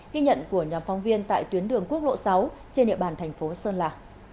ghi nhận của nhà phóng viên tại tuyến đường quốc lộ sáu trên địa bàn thành phố sơn la